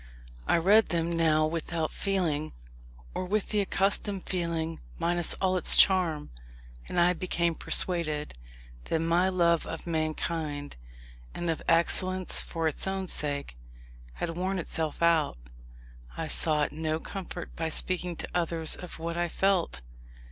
I read them now without feeling, or with the accustomed feeling minus all its charm; and I became persuaded, that my love of mankind, and of excellence for its own sake, had worn itself out. I sought no comfort by speaking to others of what I felt.